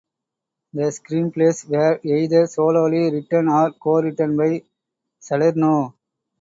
The screenplays were either solely written or co-written by Salerno.